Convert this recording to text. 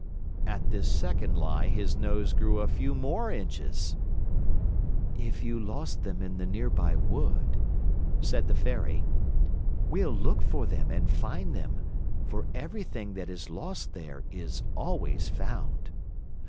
At this second lie, his nose grew a few more inches. "If you lost them in the near by wood," said the Fairy, "we'll look for them and find them, for everything that is lost there is always found."